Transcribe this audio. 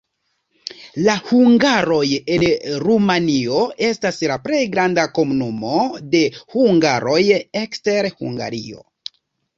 La hungaroj en Rumanio estas la plej granda komunumo de hungaroj ekster Hungario.